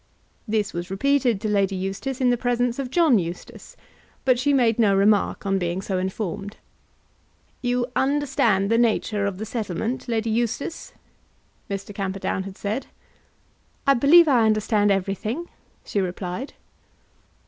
This was repeated to Lady Eustace in the presence of John Eustace; but she made no remark on being so informed. "You understand the nature of the settlement, Lady Eustace?" Mr. Camperdown had said. "I believe I understand everything," she replied.